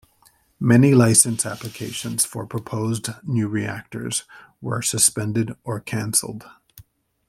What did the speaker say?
Many license applications for proposed new reactors were suspended or cancelled.